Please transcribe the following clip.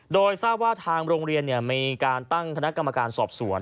โดยทราบว่าทางโรงเรียนมีการตั้งคณะกรรมการสอบสวน